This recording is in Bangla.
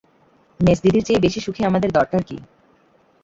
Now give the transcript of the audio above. মেজদিদির চেয়ে বেশি সুখে আমাদের দরকার কী?